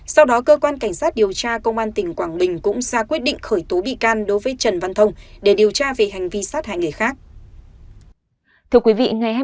sau đó cơ quan cảnh sát điều tra công an tỉnh quảng bình cũng ra quyết định khởi tố bị can đối với trần văn thông để điều tra về hành vi sát hại người khác